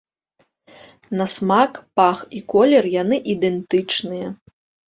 На смак, пах і колер яны ідэнтычныя.